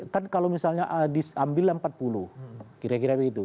kan kalau misalnya diambillah empat puluh kira kira begitu